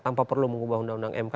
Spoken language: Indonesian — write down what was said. tanpa perlu mengubah undang undang mk